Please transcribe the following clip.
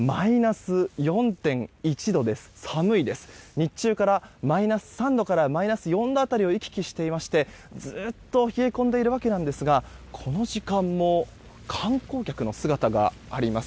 日中から、マイナス３度からマイナス４度辺りを行き来していましてずっと冷え込んでいますがこの時間も観光客の姿があります。